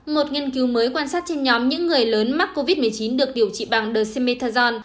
một nghiên cứu mới quan sát trên nhóm những người lớn mắc covid một mươi chín được điều trị bằng the methazon